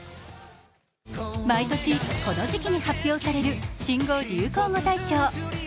毎年この時期に発表される新語・流行語大賞。